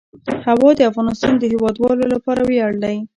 هوا د افغانستان د هیوادوالو لپاره ویاړ دی.